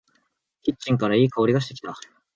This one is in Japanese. キッチンからいい香りがしてきた。